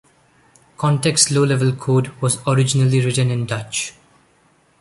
ConTeXt low-level code was originally written in Dutch.